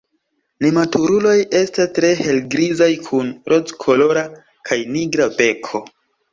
Nematuruloj estas tre helgrizaj kun rozkolora kaj nigra beko.